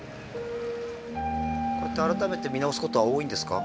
こうやって改めて見直すことは多いんですか？